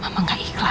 mama gak akan rela